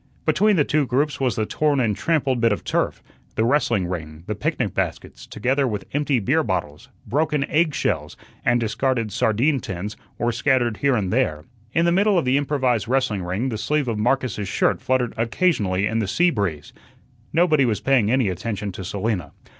Between the two groups was the torn and trampled bit of turf, the wrestling ring; the picnic baskets, together with empty beer bottles, broken egg shells, and discarded sardine tins, were scattered here and there. In the middle of the improvised wrestling ring the sleeve of Marcus's shirt fluttered occasionally in the sea breeze. Nobody was paying any attention to Selina.